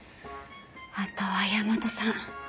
あとは大和さん